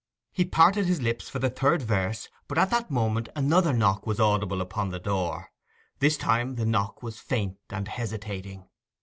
He parted his lips for the third verse; but at that moment another knock was audible upon the door. This time the knock was faint and hesitating.